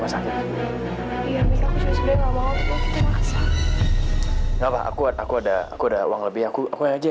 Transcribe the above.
aku ada aku ada aku ada uang lebih aku aku aja